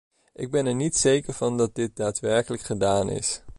Ik ben er niet zeker van dat dit daadwerkelijk gedaan is.